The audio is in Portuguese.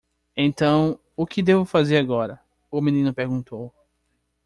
"Então, o que devo fazer agora?" o menino perguntou.